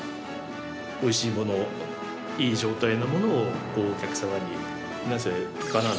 おいしいもの、いい状態のものをお客様に。